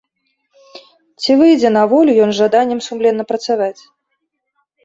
Ці выйдзе на волю ён з жаданнем сумленна працаваць?